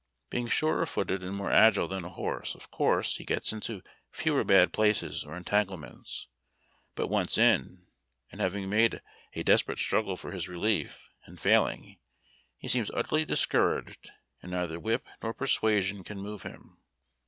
Being surer footed and more agile than a horse, of course he gets into fewer bad places or entanglements; but once in, and having made a desperate struggle for his relief, and failing, he seems utterly discouraged, and neither whip nor persuasion can move him.